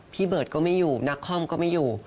เบิร์ตก็ไม่อยู่นักคอมก็ไม่อยู่